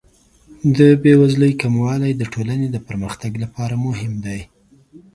د بې وزلۍ کموالی د ټولنې د پرمختګ لپاره مهم دی.